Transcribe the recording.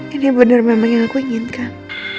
ini benar memang yang aku inginkan